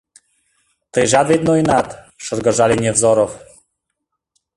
— Тыйжат вет ноенат, — шыргыжале Невзоров.